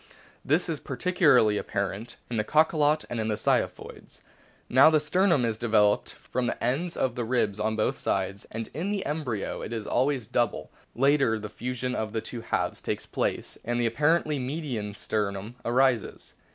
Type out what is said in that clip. This is particu larly apparent in the Cachalot and in the Ziphioids. Now the sternum is developed from the ends of the ribs on both sides, and in the embryo it is always double ; later the fusion of the two halves takes place, and the apparently median sternum arises.